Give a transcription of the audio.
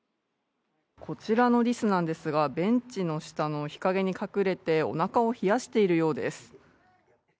こちらのリスなんですが、ベンチの下の日陰に隠れておなかを冷やしているようです。